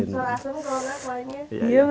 soal asamu kalau gak pokoknya